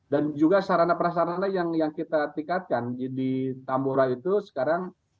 dan juga sarana prasarana yang kita tiketkan di tambora itu sekarang